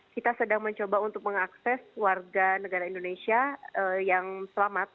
kita sedang mencoba untuk mengakses warga negara indonesia yang selamat